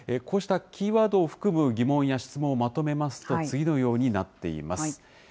こうしたキーワードを含む疑問や質問をまとめますと、次のようになっています。